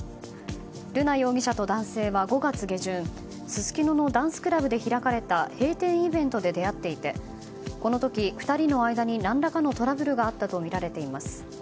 瑠奈容疑者と男性は５月下旬すすきののダンスクラブで開かれた閉店イベントで出会っていてこの時、２人の間に何らかのトラブルがあったとみられています。